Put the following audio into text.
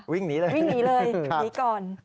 วิ่งหนีเลยวิ่งหนีเลยหนีก่อน